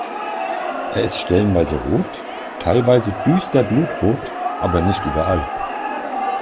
Er ist stellenweise rot, teilweise düster blutrot, aber nicht überall.